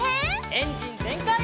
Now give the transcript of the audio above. エンジンぜんかい！